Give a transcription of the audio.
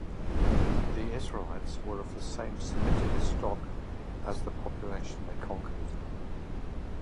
The Israelites were of the same Semitic stock as the population they conquered.